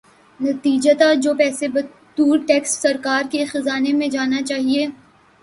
نتیجتا جو پیسہ بطور ٹیکس سرکار کے خزانے میں جانا چاہیے۔